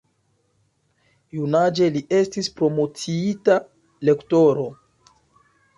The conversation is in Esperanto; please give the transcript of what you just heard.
Junaĝe li estis promociita Lektoro.